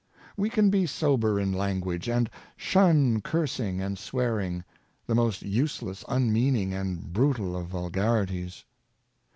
We can be sober in language, and shun cursing and swearing — the most useless, unmeaning, and brutal of vulgarities.